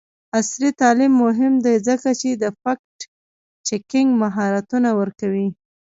عصري تعلیم مهم دی ځکه چې د فکټ چیکینګ مهارتونه ورکوي.